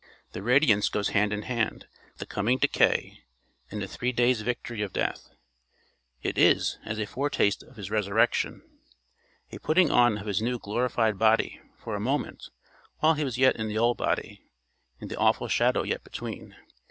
The radiance goes hand in hand with the coming decay and the three days' victory of death. It is as a foretaste of his resurrection, a putting on of his new glorified body for a moment while he was yet in the old body and the awful shadow yet between.